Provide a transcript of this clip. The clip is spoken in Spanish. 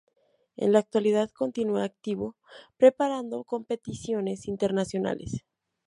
En la actualidad continúa activo preparando competiciones internacionales.